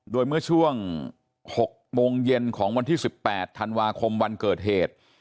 โดยเมื่อช่วง๖โมงเย็นของวันที่๑๘ธันวาคมวันเกิดเหตุ